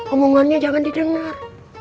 omongannya jangan didengar